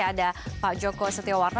ada pak joko setiawarno